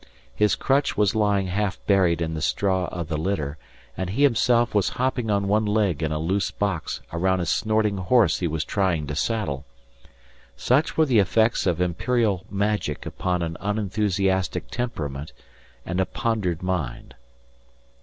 His crutch was lying half buried in the straw of the litter, and he himself was hopping on one leg in a loose box around a snorting horse he was trying to saddle. Such were the effects of imperial magic upon an unenthusiastic temperament and a pondered mind.